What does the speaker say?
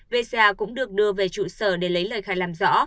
vê cũng được đưa về trụ sở để lấy lời khai làm rõ